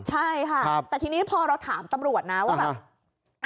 ใช่ค่ะแต่ทีนี้พอเราถามตำรวจนะว่าแบบ